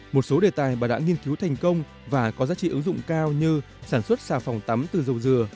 một số đề tài bà đã nghiên cứu thành công và có giá trị ứng dụng cao như sản xuất xà phòng tắm từ dầu dừa